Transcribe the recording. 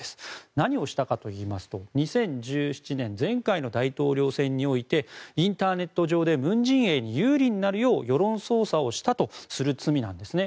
何をしたかといいますと２０１７年前回の大統領選においてインターネット上で文陣営に有利になるよう世論捜査をしたとする罪なんです。